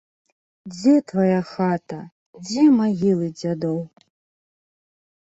Дзе твая хата, дзе магілы дзядоў?